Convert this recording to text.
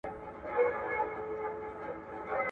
عاطفه د انسانیت نښه ده.